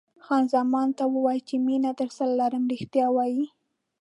خان زمان: تا وویل چې مینه درسره لرم، رښتیا وایې؟